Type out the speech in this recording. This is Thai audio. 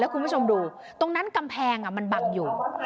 คุณผู้ชมดูตรงนั้นกำแพงมันบังอยู่